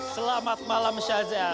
selamat malam sajah